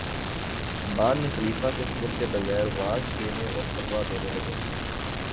بعد میں خلیفہ کے حکم کے بغیر وعظ کہنے اور فتویٰ دینے لگے